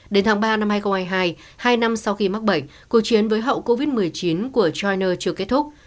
đến tháng ba năm hai nghìn hai mươi hai hai năm sau khi mắc bệnh cuộc chiến với hậu covid một mươi chín của china chưa kết thúc